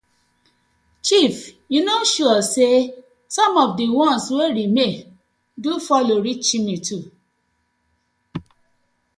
Chief yu no dey sure say som of di ones wey remain do follow reach me too.